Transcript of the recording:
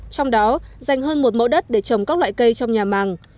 trong đó dành hơn một mẫu đất để trồng các loại cây trong nhà màng